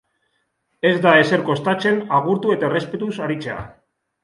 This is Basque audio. Ez da ezer kostatzen agurtu eta errespetuz aritzea